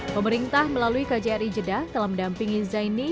pemerintah melalui kjri jeddah telah mendampingi zaini